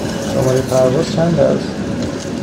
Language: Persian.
شماره پرواز چند است؟